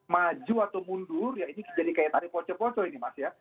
maju atau mundur ya ini jadi kayak tadi poco poco ini mas ya